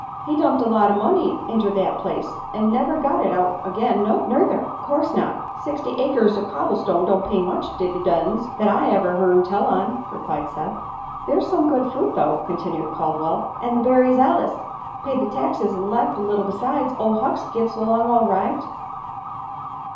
He dumped a lot o' money inter that place, an' never got it out agin', nuther." "'Course not. Sixty acres o' cobble stone don't pay much divvydends, that I ever hearn tell on," replied Seth. "There's some good fruit, though," continued Caldwell, "an' the berries allus paid the taxes an' left a little besides. Ol' Hucks gits along all right."